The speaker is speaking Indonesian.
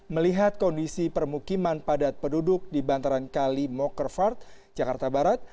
melihat kondisi permukiman padat penduduk di bantaran kali mokerfart jakarta barat